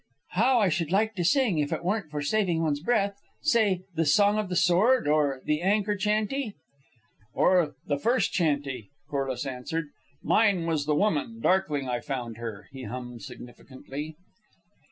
"How I should like to sing, if it weren't for saving one's breath. Say the 'Song of the Sword,' or the 'Anchor Chanty.'" "Or the 'First Chanty,'" Corliss answered. "'Mine was the woman, darkling I found her,'" he hummed, significantly.